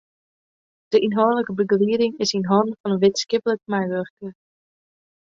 De ynhâldlike begelieding is yn hannen fan in wittenskiplik meiwurker.